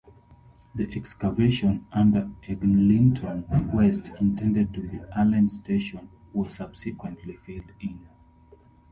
The excavation under Eglinton West intended to be Allen Station was subsequently filled in.